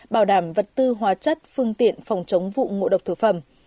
bảo đảm vật tư hóa chất phương tiện phòng chống vụ ngộ độc thực phẩm